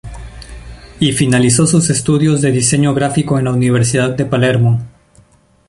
Y finalizó sus estudios de diseño gráfico en la Universidad de Palermo.